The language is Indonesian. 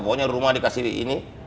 pokoknya rumah dikasih ini